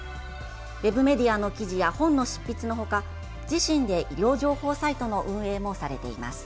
ウェブメディアの記事や本の執筆のほか自身で医療情報サイトの運用もされています。